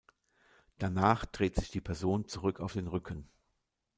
Danach dreht sich die Person zurück auf den Rücken.